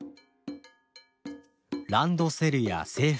ランドセルや制服